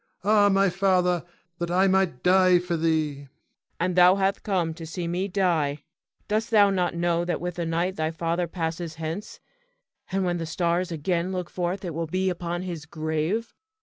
Ah, my father, that I might die for thee! Cleon. And thou hath come to see me die! Dost thou not know that with the night thy father passeth hence, and when the stars again look forth it will be upon his grave?